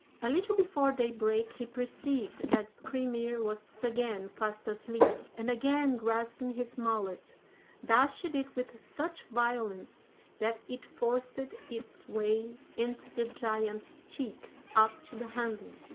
A little before daybreak he perceived that Skrymir was again fast asleep, and again grasping his mallet, dashed it with such violence that it forced its way into the giant's cheek up to the handle.